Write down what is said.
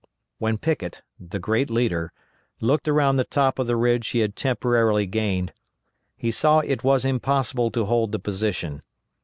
When Pickett the great leader looked around the top of the ridge he had temporarily gained, he saw it was impossible to hold the position.